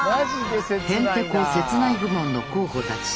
へんてこ切ない部門の候補たち。